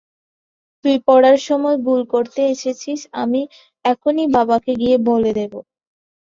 তুই পড়ার সময় গোল করতে এসেছিস, আমি এখনই বাবাকে গিয়ে বলে দেব।